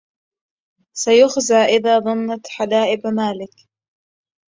سيخزى إذا ضنت حلائب مالك